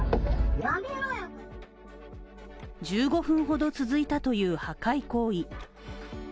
１５分ほど続いたという破壊行為。